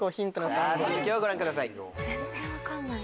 続きをご覧ください。